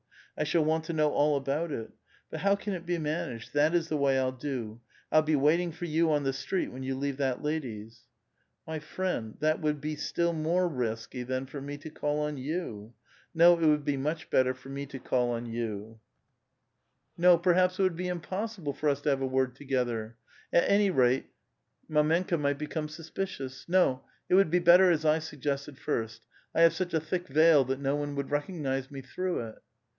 I shall want to know all about it. But how can it be managed ? This is the way I'll do ; I'll be waiting for you on the street when you leave that lady's." " My friend, that would be still more risky than for me to call on you. No ! it would be much better for me to call on youf" 102 A VITAL QUESTION. "No! perhaps it would be impossible for ns to have a word to^ctluT. At any rate, mdmenka might become sus picious. No I it would he better as I suggested first. I have such a thick veil that no one would recognize me through it."